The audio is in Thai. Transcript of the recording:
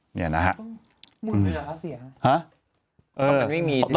เนี่ยนะฮะ